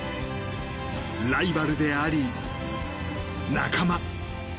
ライバルであり、仲間。